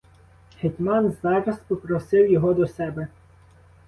Гетьман зараз попросив його до себе.